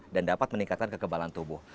dan dapat meningkatkan kekebalan tubuh